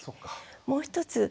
もう一つ